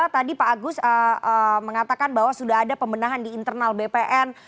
tadi pak agus mengatakan bahwa sudah ada pembenahan di internal bpn